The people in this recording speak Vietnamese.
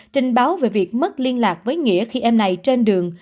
trình báo về việc mất liên lạc với nghĩa khi em này trên đường